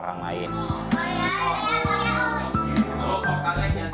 bagaimana dengan kehidupan saya sekarang dengan serba kebatasan saya ini